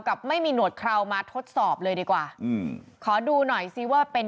กับไม่มีหนวดคราวมาทดสอบเลยดีกว่าอืมขอดูหน่อยซิว่าเป็น